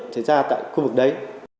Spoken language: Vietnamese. thể ra tại khu vực đấy